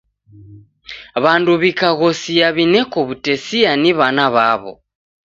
W'andu w'ikaghosia w'ineko w'utesia ni w'ana w'aw'o.